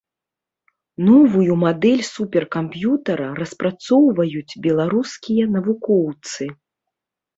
Новую мадэль суперкамп'ютара распрацоўваюць беларускія навукоўцы.